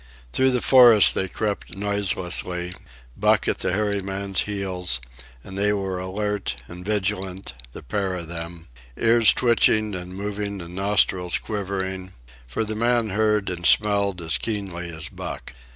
Through the forest they crept noiselessly, Buck at the hairy man's heels; and they were alert and vigilant, the pair of them, ears twitching and moving and nostrils quivering, for the man heard and smelled as keenly as Buck.